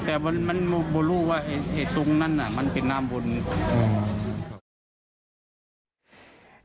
แต่มันบรูว่าตรงนั้นมันเป็นนามบุญ